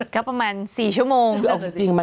ก็ประมาณ๔ชั่วโมง